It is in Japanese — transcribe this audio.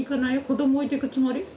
子ども置いてくつもり？